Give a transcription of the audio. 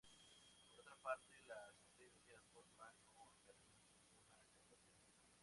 Por otra parte, la sentencia Bosman no acarreó ninguna catástrofe.